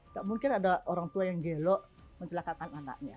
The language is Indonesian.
tak mungkin ada orang tua yang gelo mencelakakan anaknya